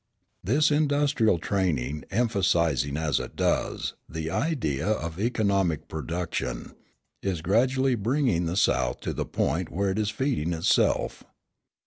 This industrial training, emphasising, as it does, the idea of economic production, is gradually bringing the South to the point where it is feeding itself.